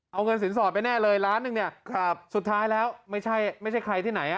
เอาเงินสินสอดไปแน่เลยล้านหนึ่งเนี่ยสุดท้ายแล้วไม่ใช่ไม่ใช่ใครที่ไหน